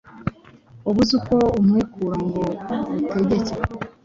Ubuze uko umwikura ngo utegeke